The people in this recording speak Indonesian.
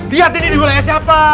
liat ini diulenya siapa